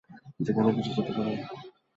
যেখানে খুশি যেতে পারা?